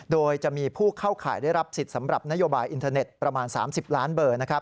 โดยจะมีผู้เข้าข่ายได้รับสิทธิ์สำหรับนโยบายอินเทอร์เน็ตประมาณ๓๐ล้านเบอร์